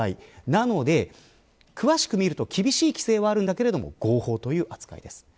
なので、詳しく見ると厳しい規制はあるけれども合法という扱いです。